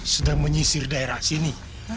sedang menyisir daerah sini